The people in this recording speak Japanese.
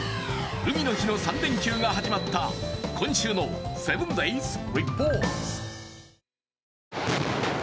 海の日の３連休が始まった今週の「７ｄａｙｓリポート」。